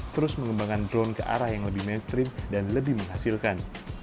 terus mengembangkan drone ke arah yang lebih mainstream dan lebih menghasilkan